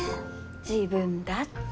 自分だって。